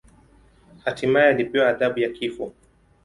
Hatimaye alipewa adhabu ya kifo.